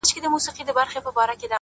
گراني چي ستا سره خبـري كوم؛